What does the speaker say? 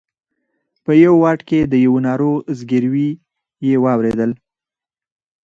په یوه واټ کې د یوه ناروغ زګېروی یې واورېدل.